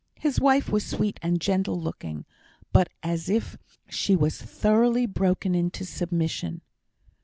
His wife was sweet and gentle looking, but as if she was thoroughly broken into submission.